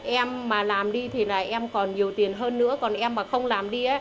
em mà làm đi thì là em còn nhiều tiền hơn nữa còn em mà không làm đi